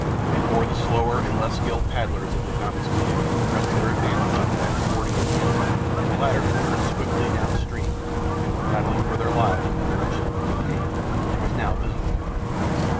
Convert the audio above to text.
Before the slower and less skilled paddlers in Mugambi's canoe could press their advantage and effect a boarding of the enemy the latter had turned swiftly down stream and were paddling for their lives in the direction of the Kincaid, which was now visible to them.